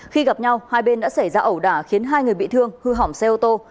khi gặp nhau hai bên đã xảy ra ẩu đả khiến hai người bị thương hư hỏng xe ô tô